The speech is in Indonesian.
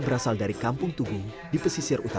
tentu saja kita tetap akan beruncang seperti natal kita